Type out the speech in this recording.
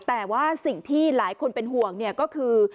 แต่ว่าสิ่งที่หลายคนเป็นห่วงก็คือ